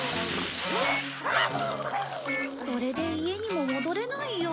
これで家にも戻れないよ。